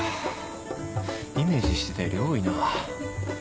イメージしてたより多いな。